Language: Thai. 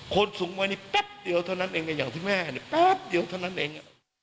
คนสูงวัยนี้แป๊บเดียวเท่านั้นเองอย่างคุณแม่แป๊บเดียวเท่านั้นเอง